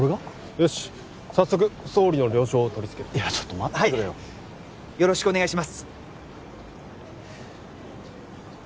よし早速総理の了承を取り付けるいやちょっと待ってくれよはいよろしくお願いします